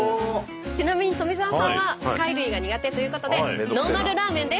ちなみに富澤さんは貝類が苦手ということでノーマルラーメンです。